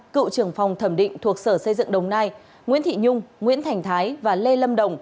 cựu trưởng phòng thẩm định thuộc sở xây dựng đồng nai nguyễn thị nhung nguyễn thành thái và lê lâm đồng